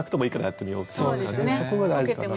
そこが大事かな。